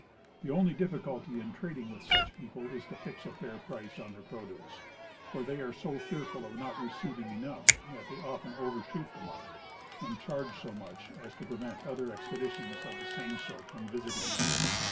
The only difficulty in trading with such people is to fix a fair price on their produce; for they are so fearful of not receiving enough, that they often overshoot the mark, and charge so much as to prevent other expeditions of the same sort from visiting them.